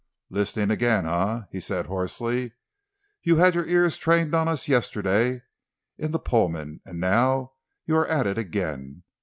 "Listening again, eh?" he said hoarsely. "You had your ears trained on us yesterday, in the Pullman, and now you are at it again.